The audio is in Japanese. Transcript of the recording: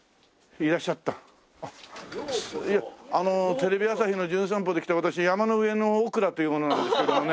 テレビ朝日の『じゅん散歩』で来た私山上憶良という者なんですけどもね。